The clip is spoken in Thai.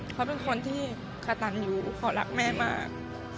เขาเป็นคนที่ขตันอยู่เขารักแม่มาก